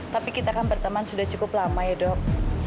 tapi kita kan berteman sudah cukup lama ya dok